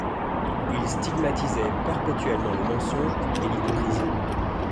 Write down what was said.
Il stigmatisait perpétuellement le mensonge et l'hypocrisie.